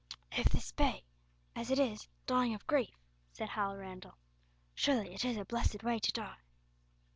"If this be, as it is, dying of grief," said Hal Randall, "surely it is a blessed way to die!"